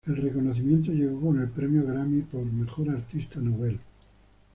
El reconocimiento llegó con el premio Grammy por "Mejor artista nuevo".